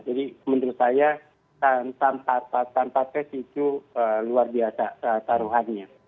jadi menurut saya tanpa tes itu luar biasa taruhannya